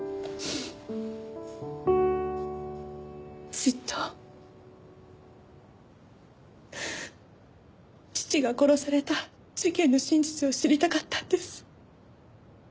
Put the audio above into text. ずっと父が殺された事件の真実を知りたかったんです。